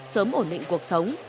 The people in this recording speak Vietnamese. sớm ổn định cuộc sống